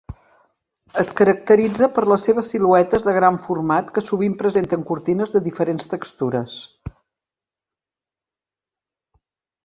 Es caracteritza per les seves siluetes de gran format, que sovint presenten cortines de diferents textures.